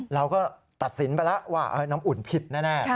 เราก็ตัดสินไปแล้วว่าน้ำอุ่นผิดแน่